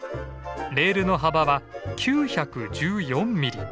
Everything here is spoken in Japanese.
レールの幅は９１４ミリ。